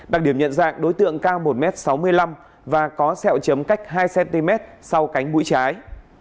đặc điểm nhận dạng đối tượng cao một m sáu mươi năm và có sẹo chấm cách hai cm sau cánh mũi trái